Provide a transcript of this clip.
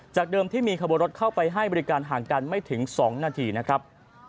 เดิมที่มีขบวนรถเข้าไปให้บริการห่างกันไม่ถึง๒นาทีนะครับ